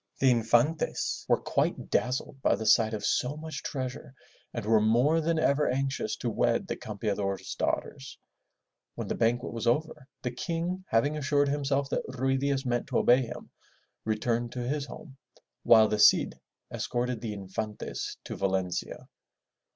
The Infantes were quite dazzled by the sight of so much treasure and were more than ever anxious to wed the Campeador's daughters. When the banquet was over, the King having assured himself that Ruy Diaz meant to obey him, returned to his home, while the Cid escorted the Infantes to Valencia.